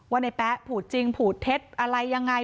ในแป๊ะผูดจริงผูดเท็จอะไรยังไง